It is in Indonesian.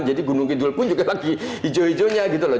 jadi gunung kidul pun juga lagi hijau hijau nya gitu loh